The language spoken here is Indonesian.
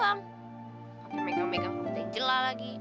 pake megang megang sama angel lah lagi